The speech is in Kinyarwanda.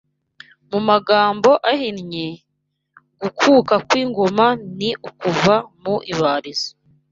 Mu magambo ahinnye, gukuka by’ingoma ni ukuva mu ibarizo